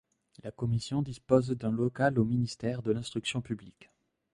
La commission dispose d'un local au ministère de l'Instruction publique.